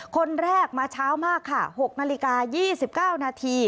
คนแรกมาเช้ามากค่ะ๖นาฬิกา๒๙นาที